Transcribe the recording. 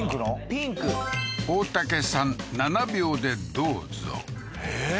ピンク大竹さん７秒でどうぞええー？